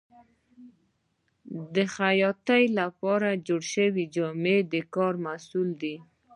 د خیاط لپاره جوړې شوې جامې د کار محصول دي.